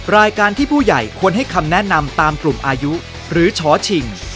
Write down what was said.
รายการที่ผู้ใหญ่ควรให้คำแนะนำตามกลุ่มอายุหรือช้อชิง